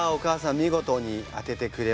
見事に当ててくれましたね。